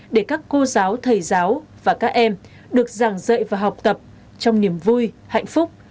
để các cô giáo thầy giáo và các em được giảng dạy và học tập trong niềm vui hạnh phúc